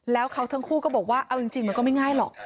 แล้วเขาทั้งคู่ก็บอกว่าเอาจริงมันก็ไม่ง่ายหรอก